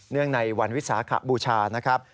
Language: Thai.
เนื่องในวันวิสาเหกะบูชานะครับ